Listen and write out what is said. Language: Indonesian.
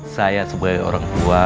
saya sebagai orang tua